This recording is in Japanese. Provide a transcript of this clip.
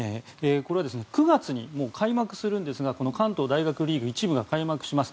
これは９月に開幕するんですが関東大学リーグ１部が開幕します。